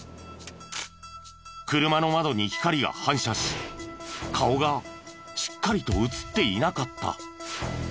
車の窓に光が反射し顔がしっかりと写っていなかった。